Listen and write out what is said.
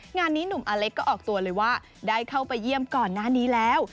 งานนี้หนุ่มอเล็กก็ออกตัวเลยว่าได้เข้าไปเยี่ยมก่อนหน้านี้แล้ว